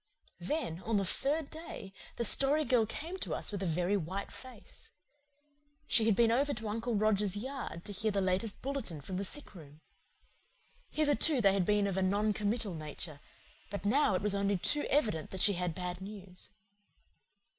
Then, on the third day, the Story Girl came to us with a very white face. She had been over to Uncle Roger's yard to hear the latest bulletin from the sick room. Hitherto they had been of a non committal nature; but now it was only too evident that she had bad news.